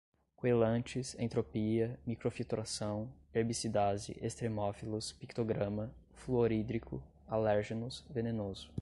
quelantes, entropia, microfiltração, herbicidase, extremófilos, pictograma, fluorídrico, alérgenos, venenoso